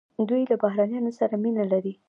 دوی له بهرنیانو سره مینه لري.